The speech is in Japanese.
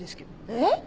えっ？